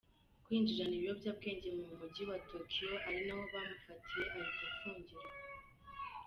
kwinjirana ibiyobyabwenge mu mujyi wa Tokyo ari naho bamufatiye ahita afungirwa.